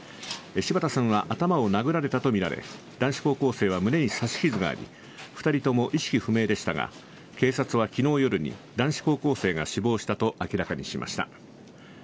柴田さんは頭を殴られたとみられ男子高校生は胸に刺し傷があり２人とも意識不明でしたが警察は昨日夜に男子高校生が死亡したと明らかにしました。